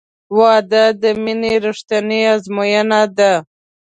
• واده د مینې رښتینی ازموینه ده.